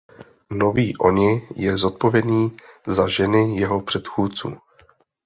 Nový Oni je zodpovědný za ženy jeho předchůdců.